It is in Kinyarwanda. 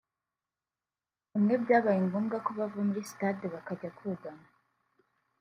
bamwe byabaye ngombwa ko bava muri sitade bakajya kugama